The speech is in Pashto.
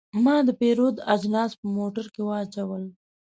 ما د پیرود اجناس په موټر کې واچول.